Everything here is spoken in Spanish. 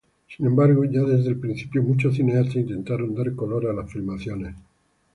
Sin embargo, ya desde el principio muchos cineastas intentaron dar color a las filmaciones.